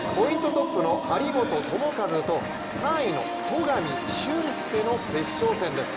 トップの張本智和と３位の戸上隼輔の決勝戦です。